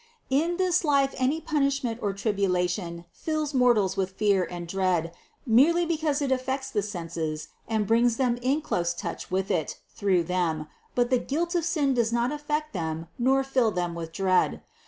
448. In this life any punishment or tribulation fills mortals with fear and dread, merely because it affects the senses and brings them in close touch with it through THE CONCEPTION 351 them, but the guilt of sin does not affect them nor fill them with dread.